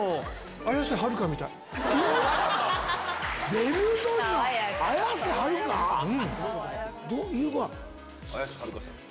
綾瀬はるかさん。